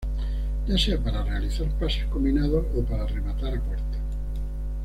Ya sea para realizar pases combinados o para rematar a puerta.